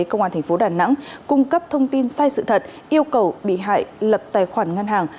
công an tp đà nẵng cung cấp thông tin sai sự thật yêu cầu bị hại lập tài khoản ngân hàng